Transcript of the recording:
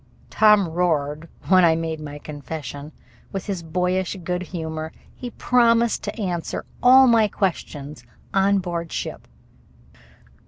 Tom roared when I made my confession. With his boyish good humor he promised to answer all my questions on board ship.